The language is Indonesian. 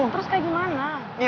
terus kayak gimana